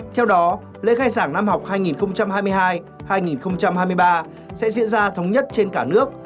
theo đó lễ khai giảng năm học hai nghìn hai mươi hai hai nghìn hai mươi ba sẽ diễn ra thống nhất trên cả nước